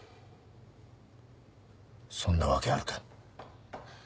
そんなわけあるか。